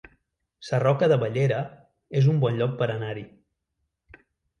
Sarroca de Bellera es un bon lloc per anar-hi